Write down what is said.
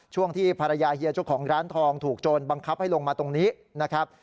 ช่วงที่ภรรยาเฮียเจ้าของร้านทองถูกโจรบังคับให้ลงมาตรงนี้นะครับ